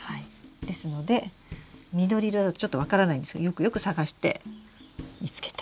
ですので緑色だとちょっと分からないんですけどよくよく探して見つけたらさよならしてください。